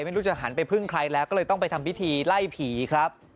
ไม่รู้จะหันไปพึ่งใครแล้วก็เลยต้องไปทำพิธีไล่ผีครับ